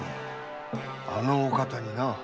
あのお方にな。